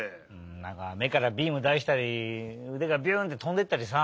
なんかめからビームだしたりうでがビュンってとんでいったりさ。